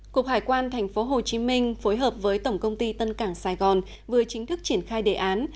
cục hải quan tp hcm phối hợp với tổng công ty tân cảng sài gòn vừa chính thức triển khai đề án